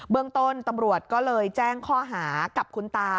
เรื่องต้นตำรวจก็เลยแจ้งข้อหากับคุณตา